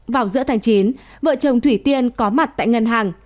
vào giữa tháng chín vợ chồng thủy tiên có mặt tại ngân hàng